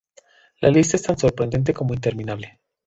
La lista es tan sorprendente como interminable.